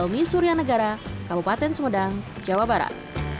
helmi surya negara kabupaten semedang jawa barat